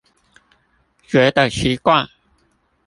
覺得奇怪